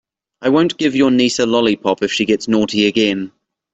I won't give your niece a lollipop if she gets naughty again.